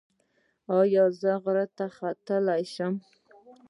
ایا زه غره ته وختلی شم؟